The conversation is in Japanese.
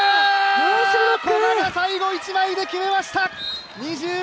古賀が最後一枚で決めました。